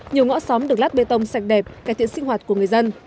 nhiều ngõ xóm được lát bê tông sạch đẹp cải thiện sinh hoạt của người dân